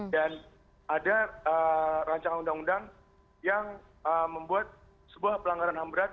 dan ada rancangan undang undang yang membuat sebuah pelanggaran hamberat